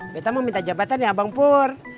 beta mau minta jabatan ya bang pur